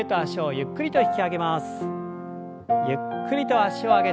ゆっくりと脚を上げて。